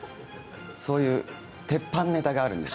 そういう鉄板ネタがあるんです。